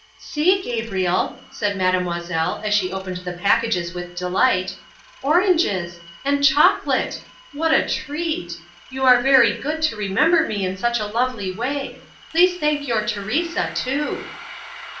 "See, Gabriel!" said Mademoiselle as she opened the packages with delight, "Oranges! and chocolate! What a treat! You are very good to remember me in such a lovely way. Please thank your Teresa too."